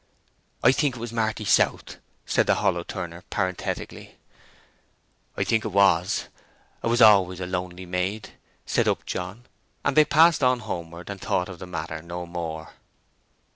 "I think it was Marty South," said the hollow turner, parenthetically. "I think 'twas; 'a was always a lonely maid," said Upjohn. And they passed on homeward, and thought of the matter no more.